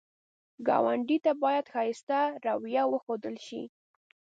ګاونډي ته باید ښایسته رویه وښودل شي